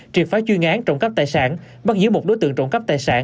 triệt phá chuyên án trộm cắp tài sản bắt giữ một đối tượng trộm cắp tài sản